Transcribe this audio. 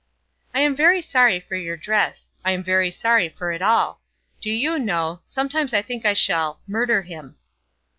"I am very sorry for your dress. I am very sorry for it all. Do you know; I sometimes think I shall murder him."